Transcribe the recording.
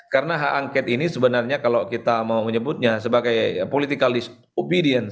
karena hak angket ini sebenarnya kalau kita mau menyebutnya sebagai political disobedience